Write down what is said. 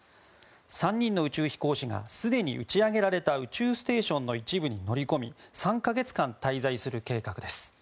３人の宇宙飛行士がすでに打ち上げられた宇宙ステーションの一部に乗り込み３か月間滞在する計画です。